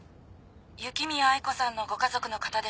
「雪宮愛子さんのご家族の方でしょうか？」